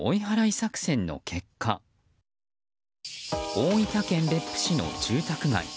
大分県別府市の住宅街。